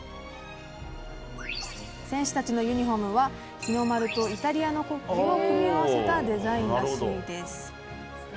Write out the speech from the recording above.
選手たちのユニホームは日の丸とイタリアの国旗を組み合わせたデザインらしいです。